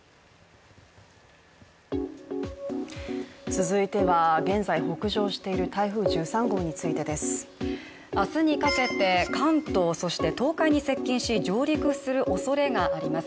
続いては、現在北上している台風１３号についてです。明日にかけ関東、そして東海に接近し上陸するおそれがあります。